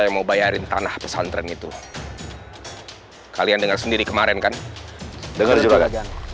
yang mau bayarin tanah pesantren itu kalian dengar sendiri kemarin kan dengar juga